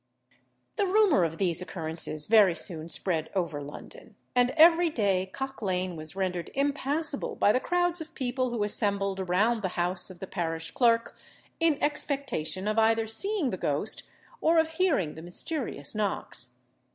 The rumour of these occurrences very soon spread over London, and every day Cock Lane was rendered impassable by the crowds of people who assembled around the house of the parish clerk, in expectation of either seeing the ghost or of hearing the mysterious knocks.